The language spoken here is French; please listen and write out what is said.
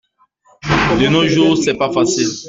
De nos jours, c’est pas facile.